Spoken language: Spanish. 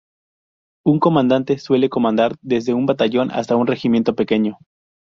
Un comandante suele comandar desde un batallón hasta un regimiento pequeño.